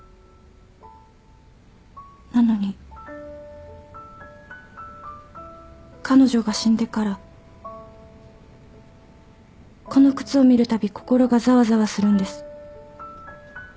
なのに彼女が死んでからこの靴を見るたび心がざわざわするんです。